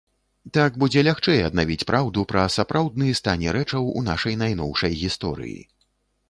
Так будзе лягчэй аднавіць праўду пра сапраўдны стане рэчаў у нашай найноўшай гісторыі.